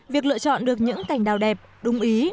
việc lựa chọn được những cành đào đẹp đúng ý